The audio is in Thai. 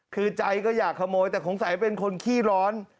คือใจก็อยากขโมยแต่สงสัยเป็นคนขี้ร้อน